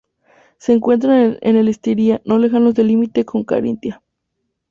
Se encuentra en el Estiria no lejos del límite con Carintia.